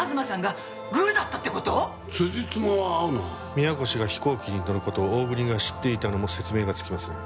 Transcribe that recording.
宮越が飛行機に乗る事を大國が知っていたのも説明がつきますね。